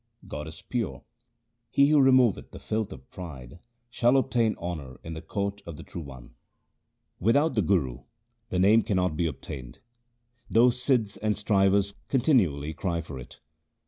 God is pure : he who removeth the filth of pride shall obtain honour in the court of the True One. Without the Guru the Name cannot be obtained, Though Sidhs and strivers continually cry for it.